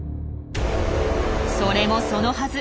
それもそのはず。